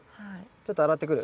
ちょっと洗ってくる？